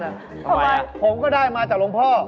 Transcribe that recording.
ทำไมนะพวกก็ได้มาจากลงพ่อ